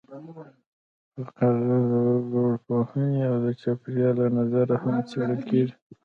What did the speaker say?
فقر د وګړپوهنې او د چاپېریال له نظره هم څېړل کېږي.